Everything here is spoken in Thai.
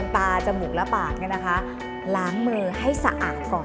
พันทึก